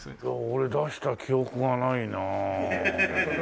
俺出した記憶がないなあ。